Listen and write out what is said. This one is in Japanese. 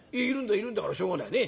いるんだからしょうがないねえ。